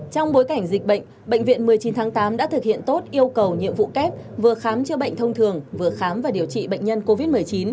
trong bối cảnh dịch bệnh bệnh viện một mươi chín tháng tám đã thực hiện tốt yêu cầu nhiệm vụ kép vừa khám chữa bệnh thông thường vừa khám và điều trị bệnh nhân covid một mươi chín